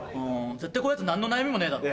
絶対こういうヤツ何の悩みもねえだろ。